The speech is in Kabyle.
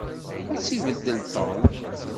Ad tt-ibeddel Tom.